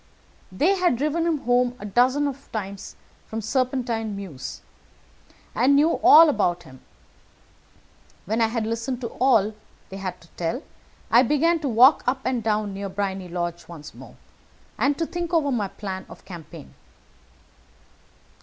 They had driven him home a dozen times from Serpentine Mews, and knew all about him. When I had listened to all that they had to tell, I began to walk up and down near Briony Lodge once more, and to think over my plan of campaign.